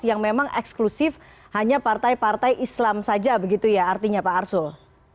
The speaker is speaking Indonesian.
yang memang eksklusif hanya partai partai islam saja begitu ya artinya pak arsul